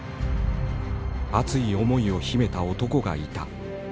熱い思いを秘めた男がいた。